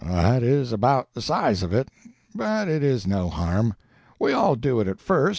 "That is about the size of it. But it is no harm. We all do it at first.